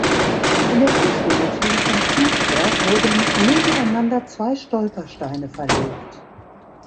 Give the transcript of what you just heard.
In der Fußgängerzone von Kindberg wurden nebeneinander zwei Stolpersteine verlegt.